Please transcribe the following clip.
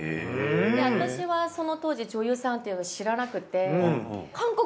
で私はその当時女優さんっていうの知らなくて。